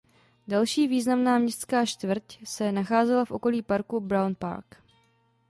Další významná česká čtvrť se nacházela v okolí parku Brown Park.